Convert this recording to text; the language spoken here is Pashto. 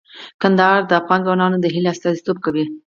کندهار د افغان ځوانانو د هیلو استازیتوب کوي.